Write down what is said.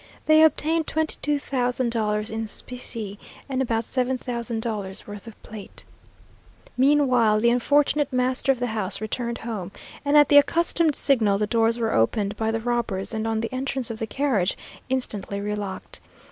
They obtained twenty two thousand dollars in specie, and about seven thousand dollars' worth of plate. Meanwhile the unfortunate master of the house returned home, and at the accustomed signal the doors were opened by the robbers, and on the entrance of the carriage, instantly relocked.